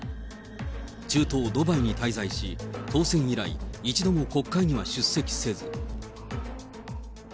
中東ドバイに滞在し、当選以来、一度も国会には出席せず。